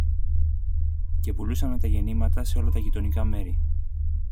και πουλούσαμε τα γεννήματα σε όλα τα γειτονικά μέρη.